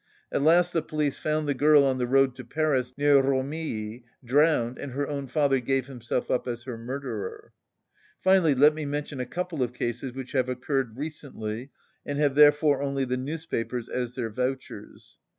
At last the police found the girl on the road to Paris, near Romilly, drowned, and her own father gave himself up as her murderer. Finally, let me mention a couple of cases which have occurred recently, and have therefore only the newspapers as their vouchers.